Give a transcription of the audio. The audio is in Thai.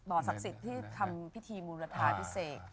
ศักดิ์สิทธิ์ที่ทำพิธีบูรทาพิเศษ